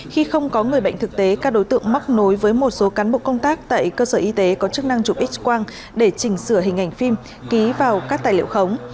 khi không có người bệnh thực tế các đối tượng mắc nối với một số cán bộ công tác tại cơ sở y tế có chức năng chụp x quang để chỉnh sửa hình ảnh phim ký vào các tài liệu khống